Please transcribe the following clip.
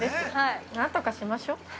◆何とかしましょう。